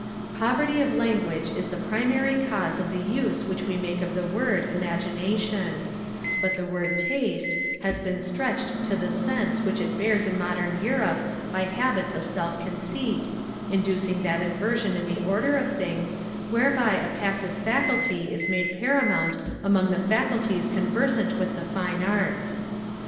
Poverty of language is the primary cause of the use which we make of the word, Imagination; but the word, Taste, has been stretched to the sense which it bears in modern Europe by habits of self conceit, inducing that inversion in the order of things whereby a passive faculty is made paramount among the faculties conversant with the fine arts.